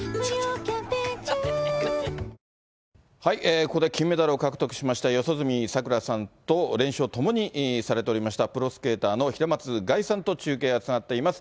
ここで金メダルを獲得しました四十住さくらさんと練習を共にされておりました、プロスケーターの平松凱さんと中継がつながっています。